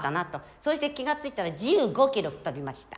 そうして気が付いたら１５キロ太りました。